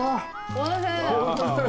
おいしい。